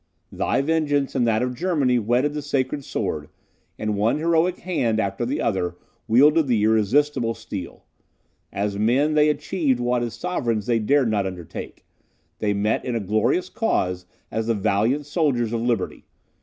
Thy vengeance and that of Germany whetted the sacred sword, and one heroic hand after the other wielded the irresistible steel. As men, they achieved what as sovereigns they dared not undertake; they met in a glorious cause as the valiant soldiers of liberty.